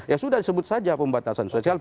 ya sudah disebut saja pembatasan sosial